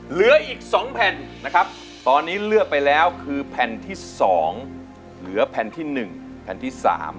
เหลืออีก๒แผ่นนะครับตอนนี้เลือกไปแล้วคือแผ่นที่๒เหลือแผ่นที่๑แผ่นที่๓